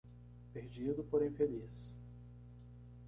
Perdido, porém feliz